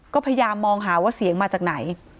ก็พยายามมองหาว่าเสียงมาจากไหน